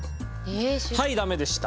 はいダメでした。